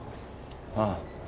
ああ。